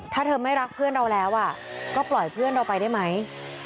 ถ้าเธอไม่รักเพื่อนเราแล้วก็ปล่อยเพื่อนเราไปได้ไหม